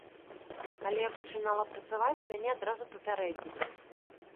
Калі я пачынала працаваць, мяне адразу папярэдзілі.